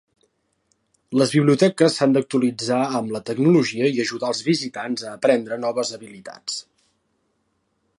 Les biblioteques s'han d'actualitzar amb la tecnologia i ajudar els visitants a aprendre noves habilitats.